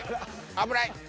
危ない。